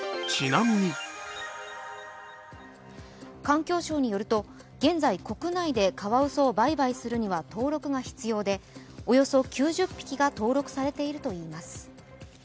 環境省によると現在、国内でカワウソを売買するには登録が必要でおよそ９０匹が登録されているといいます。